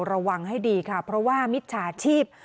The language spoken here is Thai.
ระวังให้ดีค่ะเพราะว่ามิจฉาชีพ